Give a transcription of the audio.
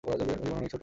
জীবন অনেক ছোট।